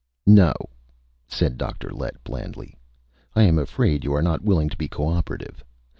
"No," said Dr. Lett blandly. "I am afraid you are not willing to be co operative.